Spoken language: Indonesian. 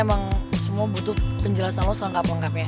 emang semua butuh penjelasan lu selengkap selengkapnya